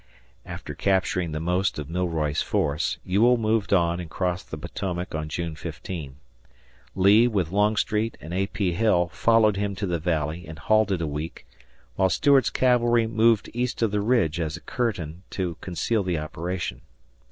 After capturing the most of Milroy's force, Ewell moved on and crossed the Potomac on June 15. Lee, with Longstreet and A. P. Hill, followed him to the Valley and halted a week, while Stuart's cavalry moved east of the ridge as a curtain to conceal the operation.